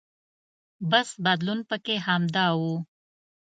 بس بدلون پکې همدا و.